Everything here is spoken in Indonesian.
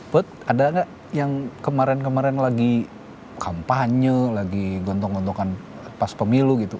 put ada nggak yang kemarin kemarin lagi kampanye lagi gontong gontokan pas pemilu gitu